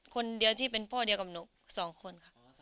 คนเดียวที่เป็นพ่อเดียวกับหนูสองคนค่ะ